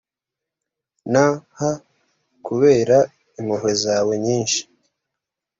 nh kubera impuhwe zawe nyinshi